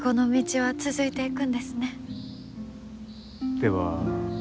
では。